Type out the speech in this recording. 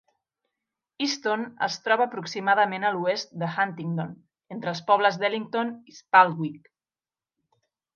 Easton es troba aproximadament a l'oest de Huntingdon, entre els pobles d'Ellington i Spaldwick.